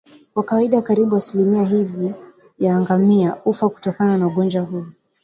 Kwa kawaida karibu asilimia hivi ya ngamia hufa kutokana na ugonjwa huu